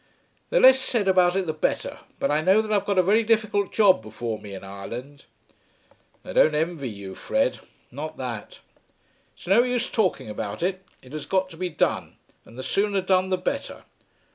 "The less said about it the better, but I know that I've got a very difficult job before me in Ireland." "I don't envy you, Fred; not that." "It is no use talking about it. It has got to be done, and the sooner done the better.